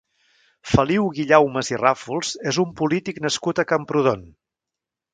Feliu Guillaumes i Ràfols és un polític nascut a Camprodon.